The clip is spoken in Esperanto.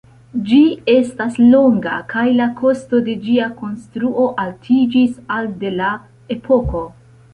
Ĝi estas longa kaj la kosto de ĝia konstruo altiĝis al de la epoko.